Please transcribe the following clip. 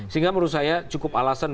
sehingga menurut saya cukup alasan